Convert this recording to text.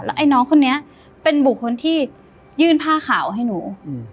ไอ้น้องคนนี้เป็นบุคคลที่ยื่นผ้าขาวให้หนู